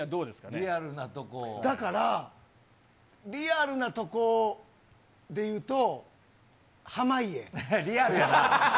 だから、リアルなとこでいうと、リアルやな。